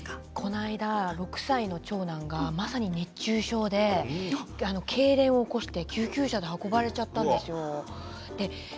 この間、６歳の長男が熱中症でけいれんを起こして救急車で運ばれちゃったんですか。